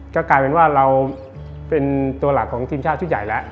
ก็กลายเป็นว่าเราเป็นตัวหลักของทีมชาติชุดใหญ่แล้ว